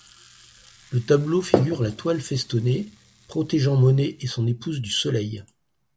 Le tableau figure la toile festonnée protégeant Monet et son épouse du soleil.